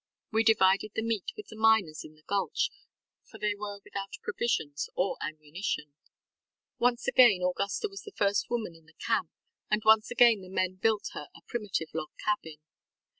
We divided the meat with the miners in the gulch, for they were without provisions or ammunition. ŌĆØ Once again Augusta was the first woman in the camp, and once again the men built her a primitive log cabin.